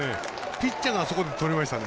ピッチャーがあそこでとりましたね。